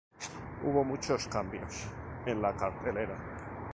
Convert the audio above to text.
Hubo muchos cambios en la cartelera.